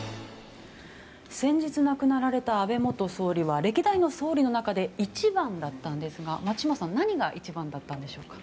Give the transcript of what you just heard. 先日亡くなられた安倍元総理は歴代の総理の中で一番だったんですが松嶋さん何が一番だったんでしょうか？